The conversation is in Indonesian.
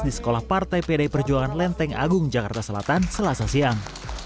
di sekolah partai pdi perjuangan lenteng agung jakarta selatan selasa siang